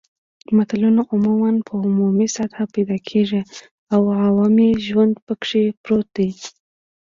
متلونه عموماً په عوامي سطحه پیدا کیږي او عوامي ژوند پکې پروت وي